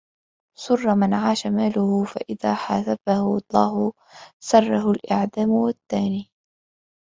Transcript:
سُرَّ مَنْ عَاشَ مَالُهُ فَإِذَا حَاسَبَهُ اللَّهُ سَرَّهُ الْإِعْدَامُ وَالثَّانِي